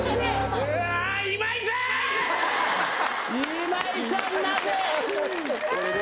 今井さんなぜ！